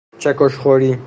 چکش خوری